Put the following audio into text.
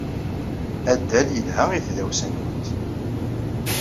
Addal yelha i tdawsa-nwent.